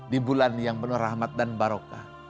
di bulan yang penuh rahmat dan barokah